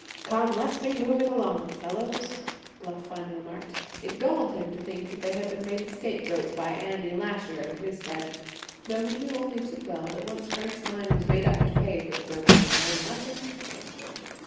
"Come, let's be moving along, fellows," Bluff finally remarked. It galled him to think they had been made the scapegoats by Andy Lasher and his set, though he knew only too well that once Frank's mind was made up to pay for the broken window nothing could change him.